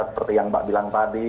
seperti yang mbak bilang tadi